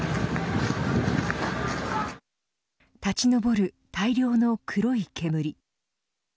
立ち上る大量の黒い煙。